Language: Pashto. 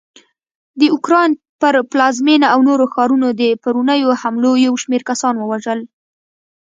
د اوکراین پر پلازمېنه او نورو ښارونو د پرونیو حملو یوشمېر کسان ووژل